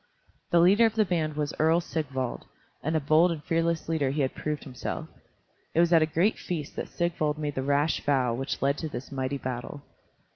The leader of the band was Earl Sigvald, and a bold and fearless leader he had proved himself. It was at a great feast that Sigvald made the rash vow which led to this mighty battle.